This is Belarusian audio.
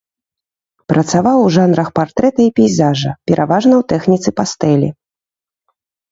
Працаваў у жанрах партрэта і пейзажа, пераважна ў тэхніцы пастэлі.